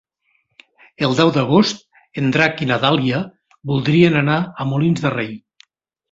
El deu d'agost en Drac i na Dàlia voldrien anar a Molins de Rei.